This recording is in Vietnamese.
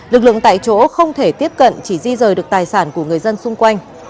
lực lượng tại chỗ không thể tiếp cận chỉ di rời được tài sản của người dân xung quanh